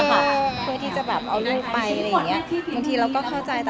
บางทีจะแบบเอาลูกไปบางทีเราก็เข้าใจ